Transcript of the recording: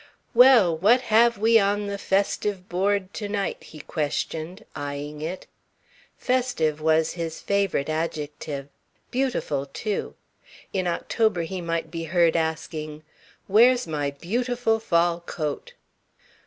"Well, what have we on the festive board to night?" he questioned, eyeing it. "Festive" was his favourite adjective. "Beautiful," too. In October he might be heard asking: "Where's my beautiful fall coat?"